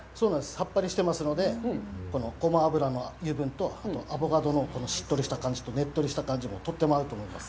さっぱりしてますのでゴマ油の油分と、あとアボカドのしっとりした感じとねっとりした感じもとっても合うと思います。